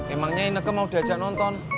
emangnya ineke mau diajak nonton